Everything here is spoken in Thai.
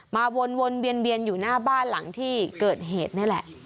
มาวนวนเบียนเบียนอยู่หน้าบ้านหลังที่เกิดเหตุนั่นแหละ